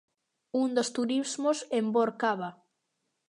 Un dos turismos envorcaba.